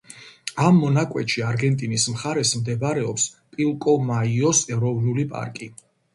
ამ მონაკვეთში, არგენტინის მხარეს მდებარეობს პილკომაიოს ეროვნული პარკი.